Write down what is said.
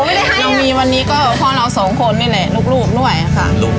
เรามีวันนี้ก็พ่อเราสองคนนี่เลยลูกรูปด้วย